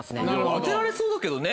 当てられそうだけどね。